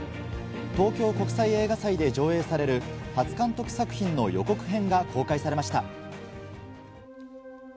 東京国際映画祭で上映される初監督作品の予告編が公開されました。